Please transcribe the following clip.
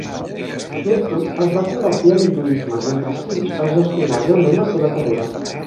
Myrtle es va convertir a l'hinduisme, mentre Singh va gestionar breument la seva carrera.